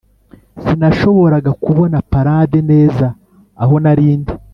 sinashoboraga kubona parade neza aho nari ndi.